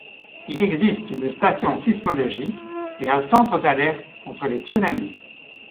Il existe une station sismologique et un centre d'alerte contre les tsunamis.